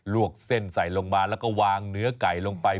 วกเส้นใส่ลงมาแล้วก็วางเนื้อไก่ลงไป